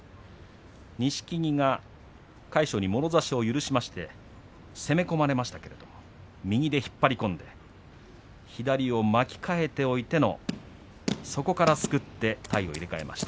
錦木が魁勝に、もろ差しを許しまして攻め込まれましたけれども右で引っ張り込んで左を巻き替えておいてのそこから、すくって体を入れ替えました。